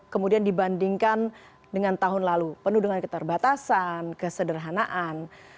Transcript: kemudian dibandingkan dengan tahun lalu penuh dengan keterbatasan kesederhanaan